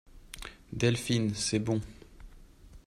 Delphine C'est bon.